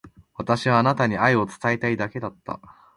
私はあなたに愛を伝えたいだけだった。